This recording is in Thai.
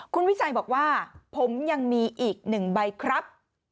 คุณวิชัยบอกว่าผมยังมีอีกหนึ่งใบครับ